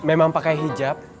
memang pakai hijab